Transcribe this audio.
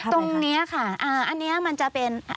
ตรงนี้ค่ะอันนี้มันจะเป็น